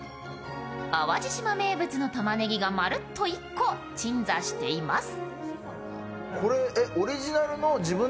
淡路島名物のたまねぎがまるっと１個鎮座しています。